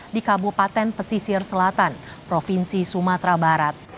di kabupaten pesisir selatan provinsi sumatera barat